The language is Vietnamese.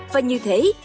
và như thế